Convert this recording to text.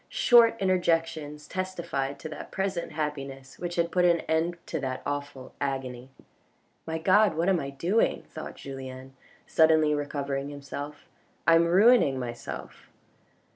Short interjections testified to that present happiness which had put an end to that awful agony. " My God, what am I doing ?" thought Julien, suddenly recovering himself. " I am ruining myself."